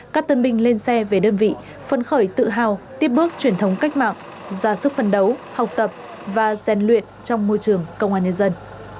các tân binh lên xe về đơn vị phân khởi tự hào tiếp bước truyền thống cách mạng ra sức phân đấu học tập và gian luyện trong môi trường công an nhân dân